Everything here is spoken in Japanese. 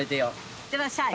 いってらっしゃい！